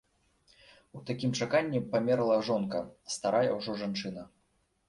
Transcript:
У такім чаканні памерла жонка, старая ўжо жанчына.